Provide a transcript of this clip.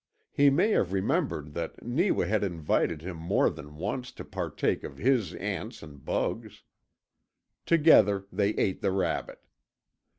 He may have remembered that Neewa had invited him more than once to partake of his ants and bugs. Together they ate the rabbit.